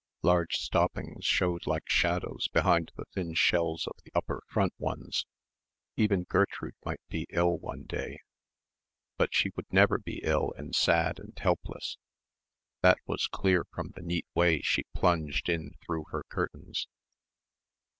Large stoppings showed like shadows behind the thin shells of the upper front ones. Even Gertrude might be ill one day; but she would never be ill and sad and helpless. That was clear from the neat way she plunged in through her curtains....